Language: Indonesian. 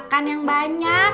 makan yang banyak